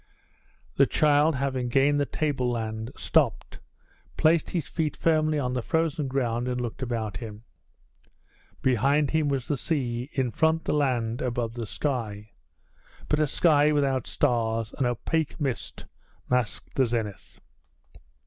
The child, having gained the tableland, stopped, placed his feet firmly on the frozen ground, and looked about him. Behind him was the sea; in front the land; above, the sky but a sky without stars; an opaque mist masked the zenith.